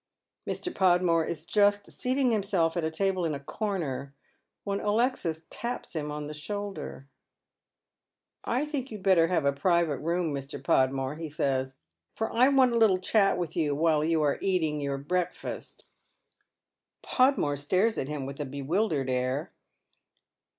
Mr. Podmore is just seating himself at a table in a corner^ when Alexis taps him on the shoulder. " I think you'd better have a private room, Mr. Podmore," he Bays, " for I want a little chat with you while you are eating your breakfast." Podmore stares with a bewildered air.